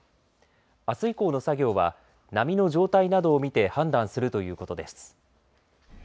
あす以降の作業は波の状態などを見て判断するということです。